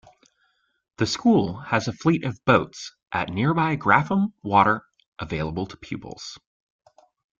The School has a fleet of boats at nearby Grafham Water available to pupils.